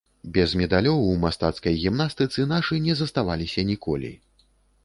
Без медалёў у мастацкай гімнастыцы нашы не заставаліся ніколі.